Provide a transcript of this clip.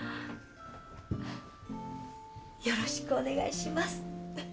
よろしくお願いします